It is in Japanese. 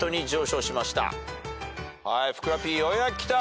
ふくらＰようやくきた。